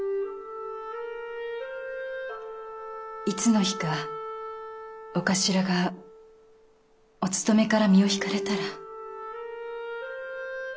いつの日かお頭がおつとめから身を引かれたら。